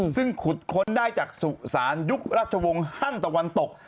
ซึ่งขุดค้นได้จากสุสานยุคราชวงศ์ฮันตะวันตก